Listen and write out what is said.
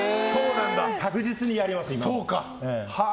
確実にやります、今も。